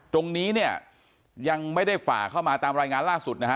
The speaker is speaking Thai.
ตรงนี้เนี่ยยังไม่ได้ฝ่าเข้ามาตามรายงานล่าสุดนะฮะ